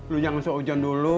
lu jangan seujan dulu